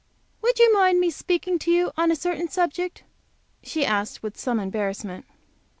"Would you mind my speaking to you on a certain subject?" she asked, with some embarrassment.